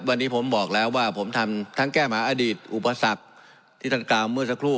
วันนี้ผมบอกแล้วว่าผมทำทั้งแก้หมาอดีตอุปสรรคที่ท่านกล่าวเมื่อสักครู่